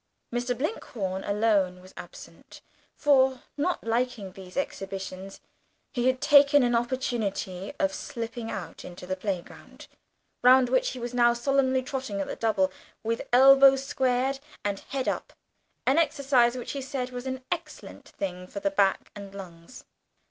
Mr. Blinkhorn alone was absent, for, not liking these exhibitions, he had taken an opportunity of slipping out into the playground, round which he was now solemnly trotting at the "double" with elbows squared and head up; an exercise which he said was an excellent thing for the back and lungs.